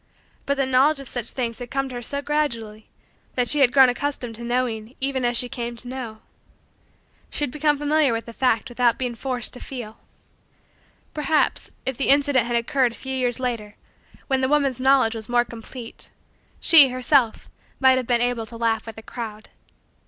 But the knowledge of such things had come to her so gradually that she had grown accustomed to knowing even as she came to know. She had become familiar with the fact without being forced to feel. Perhaps, if the incident had occurred a few years later, when the woman's knowledge was more complete, she, herself, might have been able to laugh with the crowd.